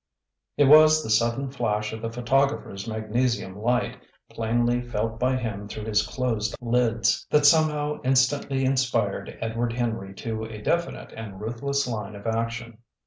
It was the sudden flash of the photographer's magnesium light, plainly felt by him through his closed lids, that somehow instantly inspired Edward Henry to a definite and ruthless line of action.